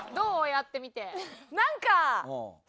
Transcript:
やってみて。